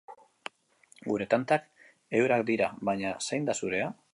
Gure tantak eurak dira, baina zein da zurea?